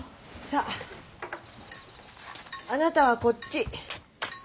さああなたはこっち。